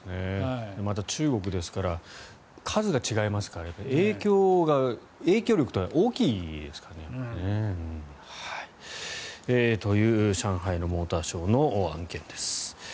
また中国ですから数が違いますから影響力が大きいですからね。という、上海のモーターショーの案件です。